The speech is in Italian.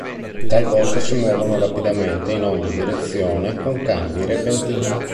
Talvolta, si muovono rapidamente in ogni direzione, con cambi repentini.